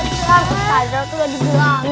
ustaz astaz tuh udah dibilang